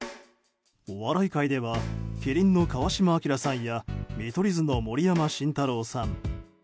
お笑い界では麒麟の川島明さんや見取り図の盛山晋太郎さん